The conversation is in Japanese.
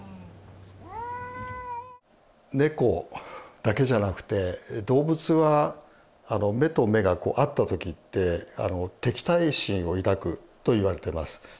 ネコだけじゃなくて動物は目と目がこう合った時って敵対心を抱くといわれてます。